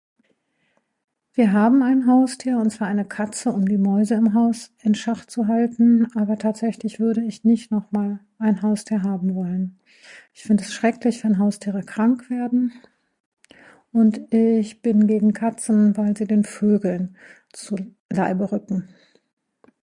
Wir haben ein Haustier und zwar eine Katze um die Mäuse in Schach zu halten aber tatsächlich würde ich nicht nochmal ein Haustier haben wollen. Ich find es schrecklich wenn Haustiere krank werden und ich bin gegen Katzen weil Sie den Vögeln zu Leibe rücken.